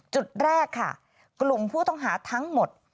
จุดแรกค่ะกลุ่มผู้ต้องหาทั้งหมด